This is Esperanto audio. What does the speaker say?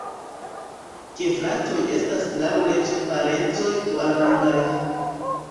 Gefratoj estas laŭleĝe parencoj duarangaj.